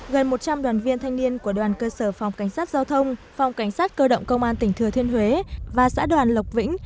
gần một trăm linh đoàn viên thanh niên của đoàn cơ sở phòng cảnh sát giao thông phòng cảnh sát cơ động công an tỉnh thừa thiên huế và xã đoàn lộc vĩnh